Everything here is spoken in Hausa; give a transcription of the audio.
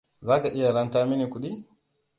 Zaka iya ranta mini kudi?